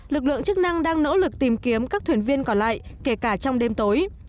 lực lượng chức năng đang nỗ lực tìm kiếm các thuyền viên còn lại kể cả trong đêm tối